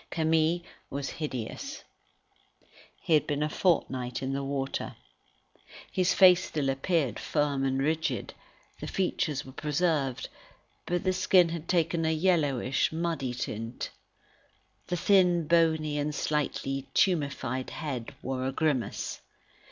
Camille was hideous. He had been a fortnight in the water. His face still appeared firm and rigid; the features were preserved, but the skin had taken a yellowish, muddy tint. The thin, bony, and slightly tumefied head, wore a grimace.